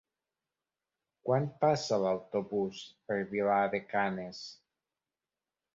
Quan passa l'autobús per Vilar de Canes?